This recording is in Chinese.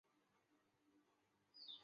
参赛者年龄必须六岁或以上。